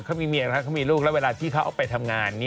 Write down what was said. เขามีเมียนะครับเขามีลูกแล้วเวลาที่เขาเอาไปทำงาน